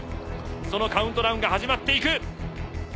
そのカウントダウンが始まっていく。